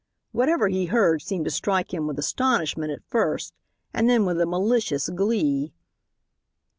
Whatever he heard seemed to strike him with astonishment at first and then with a malicious glee.